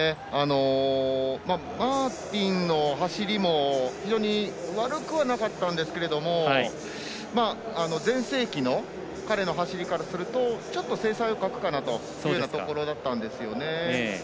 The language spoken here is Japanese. マーティンの走りも非常に悪くはなかったんですけど全盛期の彼の走りからするとちょっと精彩を欠くかなというところでしたね。